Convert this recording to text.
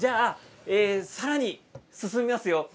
さらに進みますよ。